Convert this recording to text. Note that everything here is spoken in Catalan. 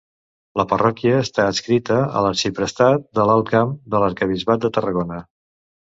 La parròquia està adscrita a l'arxiprestat de l'Alt Camp de l'arquebisbat de Tarragona.